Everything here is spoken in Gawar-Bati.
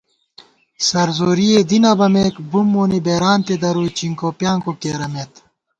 سرزورِئےدی نہ بَمېک بُم مونی بېرانتےدرُوئی چِنکوپیانکو کېرَمېت